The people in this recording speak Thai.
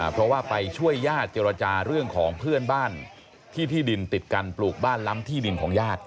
เพราะว่าไปช่วยญาติเจรจาเรื่องของเพื่อนบ้านที่ที่ดินติดกันปลูกบ้านล้ำที่ดินของญาติ